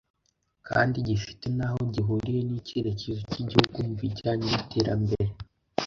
kandi gifite n’ aho gihuriye n’icyerekezo cy’igihugu mu bijyanye n’iterambere